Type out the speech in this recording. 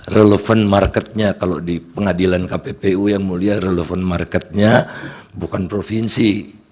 relevan marketnya kalau di pengadilan kppu yang mulia relevan marketnya bukan provinsi